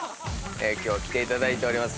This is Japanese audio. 今日来ていただいております